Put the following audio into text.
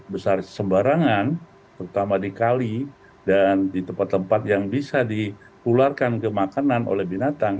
besar sembarangan terutama di kali dan di tempat tempat yang bisa dipularkan ke makanan oleh binatang